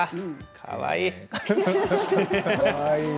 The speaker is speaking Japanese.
かわいいな。